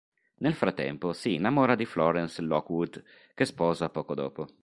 Nel frattempo, si innamora di Florence Lockwood, che sposa poco dopo.